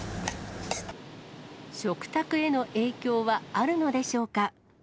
食卓への影響はあるのでしょうか。